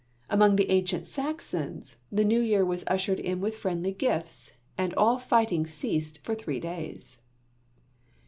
Among the ancient Saxons, the New Year was ushered in with friendly gifts, and all fighting ceased for three days.